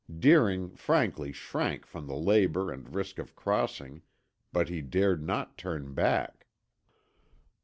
Deering frankly shrank from the labor and risk of crossing, but he dared not turn back.